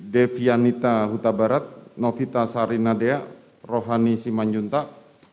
devianita huta barat novita sarinadea rohani simanjuntak